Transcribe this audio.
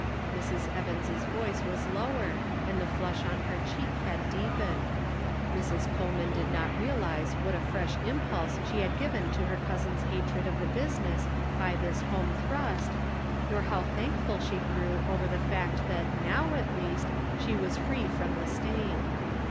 Mrs. Evans' voice was lower, and the flush on her cheek had deepened. Mrs. Coleman did not realize what a fresh impulse she had given to her cousin's hatred of the business by this home thrust, nor how thankful she grew over the fact that now, at least, she was free from the stain.